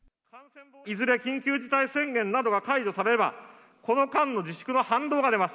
いずれ緊急事態宣言などが解除されれば、この間の自粛は反動が出ます。